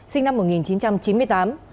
sinh năm một nghìn chín trăm chín mươi tám